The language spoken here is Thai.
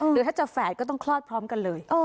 หรือถ้าจะแฝดก็ต้องคลอดพร้อมกันเลย